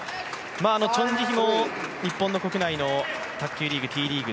チョン・ジヒも日本の国内の卓球のＴリーグ